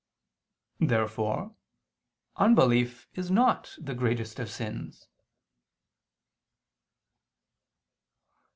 Therefore unbelief is not the greatest of sins.